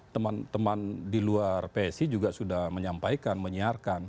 teman teman di luar psi juga sudah menyampaikan menyiarkan